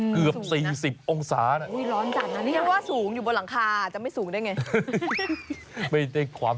เกือบ๔๐องศา